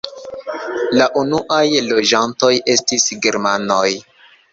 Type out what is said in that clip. La unuaj loĝantoj estis germanoj.